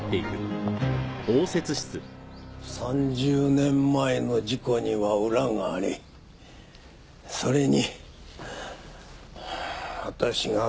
３０年前の事故には裏がありそれに私が関与していると？